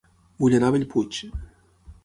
Vull anar a Bellpuig